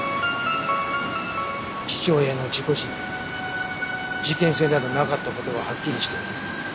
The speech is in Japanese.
父親の事故死に事件性などなかった事ははっきりしている。